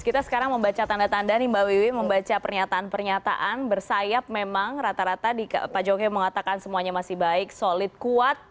kita sekarang membaca tanda tanda nih mbak wiwi membaca pernyataan pernyataan bersayap memang rata rata pak jokowi mengatakan semuanya masih baik solid kuat